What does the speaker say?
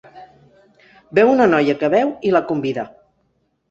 Veu una noia que beu i la convida.